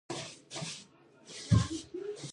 ماشومان او زاړه کسان دواړه خرما خوړلی شي.